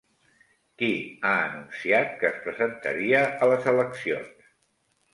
Qui ha anunciat que es presentaria a les eleccions?